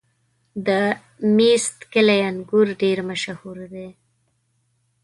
د میست کلي انګور ډېر مشهور دي.